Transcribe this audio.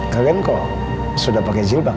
kalian kok sudah pakai jilbab